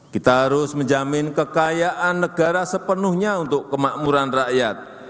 kita harus menjamin kekayaan negara sepenuhnya untuk kemakmuran rakyat